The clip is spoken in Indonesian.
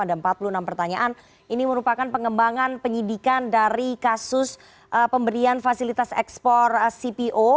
ada empat puluh enam pertanyaan ini merupakan pengembangan penyidikan dari kasus pemberian fasilitas ekspor cpo